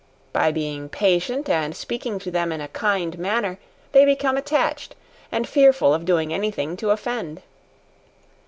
By being patient, and speaking to them in a kind manner, they become attached and fearful of doing any thing to offend.